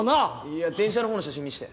いや電車のほうの写真見して。